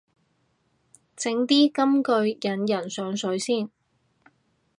整啲金句引人上水先